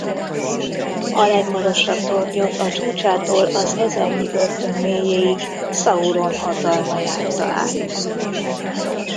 A legmagasabb tornyot a csúcsától az ezernyi börtön mélyéig Szauron hatalma járta át.